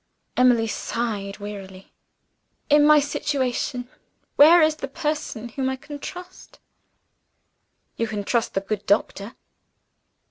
Emily sighed wearily. "In my situation, where is the person whom I can trust?" "You can trust the good doctor."